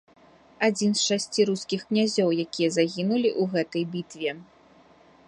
Адзін з шасці рускіх князёў, якія загінулі ў гэтай бітве.